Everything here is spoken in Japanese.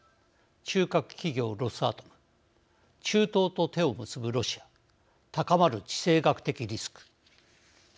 中核企業ロスアトム中東と手を結ぶロシア高まる地政学的リスク。